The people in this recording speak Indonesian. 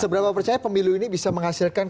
seberapa percaya pemilu ini bisa menghasilkan